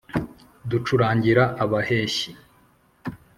ducurangira abaheshyi